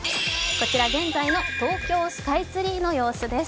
こちら、現在の東京スカイツリーの様子です。